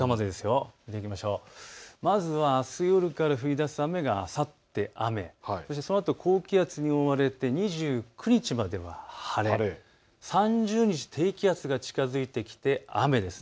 まずはあす夜から降りだす雨があさって雨、そのあと高気圧に覆われて２９日まで晴れ、３０日低気圧が近づいてきて雨です。